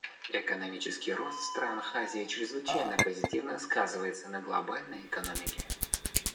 Экономический рост в странах Азии чрезвычайно позитивно сказывается на глобальной экономике.